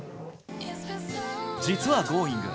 実は「Ｇｏｉｎｇ！」